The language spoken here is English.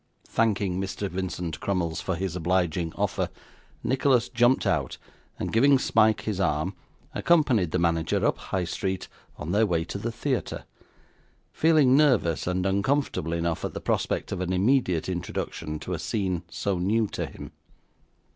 Thanking Mr. Vincent Crummles for his obliging offer, Nicholas jumped out, and, giving Smike his arm, accompanied the manager up High Street on their way to the theatre; feeling nervous and uncomfortable enough at the prospect of an immediate introduction to a scene so new to him.